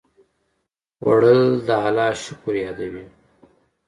خوړل د الله شکر یادوي